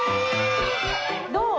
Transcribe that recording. どう？